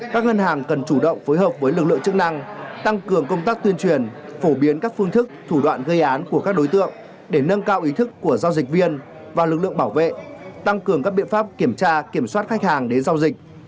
các ngân hàng cần chủ động phối hợp với lực lượng chức năng tăng cường công tác tuyên truyền phổ biến các phương thức thủ đoạn gây án của các đối tượng để nâng cao ý thức của giao dịch viên và lực lượng bảo vệ tăng cường các biện pháp kiểm tra kiểm soát khách hàng đến giao dịch